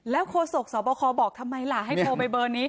โคศกสบคบอกทำไมล่ะให้โทรไปเบอร์นี้